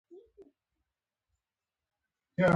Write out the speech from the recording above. د شرابو بوتلونه په مېز ایښي وو او لوګي وو